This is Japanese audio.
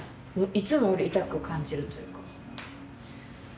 いつもより痛く感じるというか。